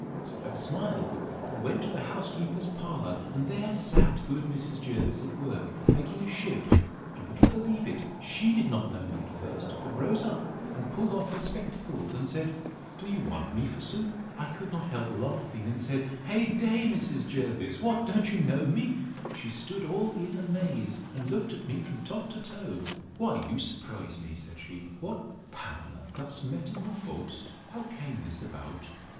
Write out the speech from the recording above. So I smiled, and went to the housekeeper's parlour; and there sat good Mrs. Jervis at work, making a shift: and, would you believe it? she did not know me at first; but rose up, and pulled off her spectacles; and said, Do you want me, forsooth? I could not help laughing, and said, Hey day! Mrs. Jervis, what! don't you know me?—She stood all in amaze, and looked at me from top to toe: Why, you surprise me, said she: What! Pamela thus metamorphosed! How came this about?